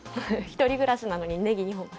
１人暮らしなのにネギ２本。